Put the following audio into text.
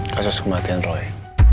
kasus kematian roy